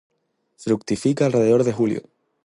Fructifica alrededor de julio.